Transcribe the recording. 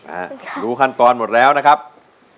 พลังแห่งนักสู้มันไหลเวียนอยู่ในเลือดเหลือเกินครับคุณผู้ชม